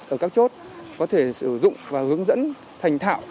ở các chốt có thể sử dụng và hướng dẫn thành thạo